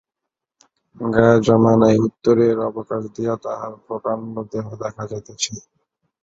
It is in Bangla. গায়ে জামা নাই, উত্তরীয়ের অবকাশ দিয়া তাহার প্রকাণ্ড দেহ দেখা যাইতেছে।